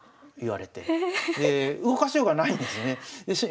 動かしようがないんですね。